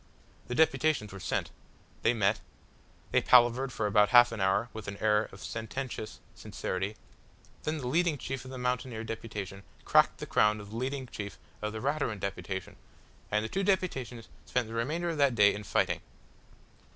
The deputations were sent. They met. They palavered for about half an hour with an air of sententious sincerity, then the leading chief of the mountaineer deputation cracked the crown of the leading chief of the Raturan deputation, and the two deputations spent the remainder of that day in fighting.